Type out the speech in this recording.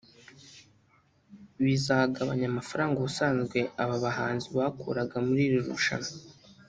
bizagabanya amafaranga ubusanzwe aba bahanzi bakuraga muri iri rushanwa